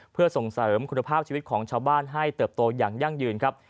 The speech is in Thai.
เพื่อส่งเสริมคุณภาพชีวิตของชาวบ้านให้เติบโตอย่างยั่งยืนครับ